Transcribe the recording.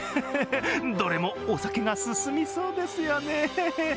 どれもお酒が進みそうですよね。